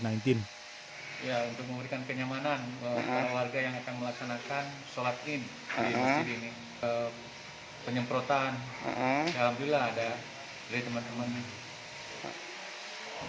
ya untuk memberikan kenyamanan bahwa para warga yang akan melaksanakan sholat id di masjid penyemprotan alhamdulillah ada dari teman teman